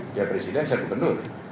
dia presiden saya gubernur